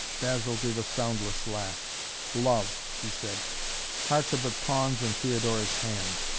Basil gave a soundless laugh. "Love!" he said. "Hearts are but pawns in Theodora's hands.